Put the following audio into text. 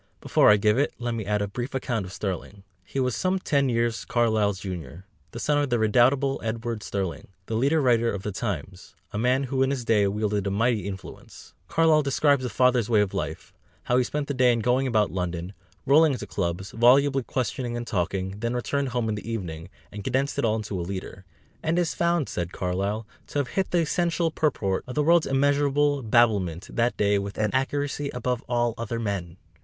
Before I give it, let me add a brief account of Sterling. He was some ten years Carlyle's junior, the son of the redoubtable Edward Sterling, the leader writer of the Times, a man who in his day wielded a mighty influence. Carlyle describes the father's way of life, how he spent the day in going about London, rolling into clubs, volubly questioning and talking; then returned home in the evening, and condensed it all into a leader, "and is found," said Carlyle, "to have hit the essential purport of the world's immeasurable babblement that day with an accuracy above all other men."